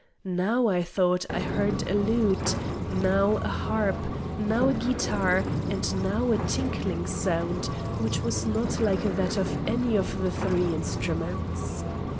Now I thought I heard a lute, now a harp, now a guitar, and now a tinkling sound, which was not like that of any of the three instruments.